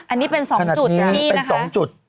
อันนี้เป็นสองจุดนี่นะคะขนาดนี้เป็นสองจุด